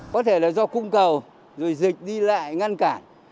có thể là do cung cầu rồi dịch đi lại ngăn cản